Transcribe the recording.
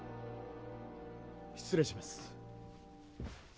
失礼します。